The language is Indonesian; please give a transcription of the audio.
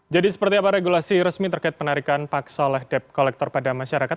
jadi seperti apa regulasi resmi terkait penarikan paksa oleh debt collector pada masyarakat